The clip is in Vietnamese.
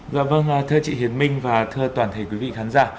dạ vâng thưa chị hiền minh và thưa toàn thể quý vị khán giả